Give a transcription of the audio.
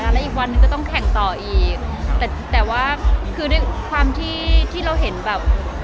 แล้วอีกวันนึงก็ต้องแข่งต่ออีกแต่แต่ว่าคือด้วยความที่ที่เราเห็นแบบ